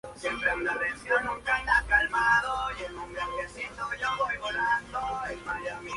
Colabora habitualmente en "La Comarca de Puertollano" y en diario electrónico "Mi Ciudad Real".